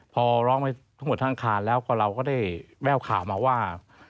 พอร้องไปทั้งหมดทั้งอาคารแล้วก็เราก็ได้แววข่าวมาว่า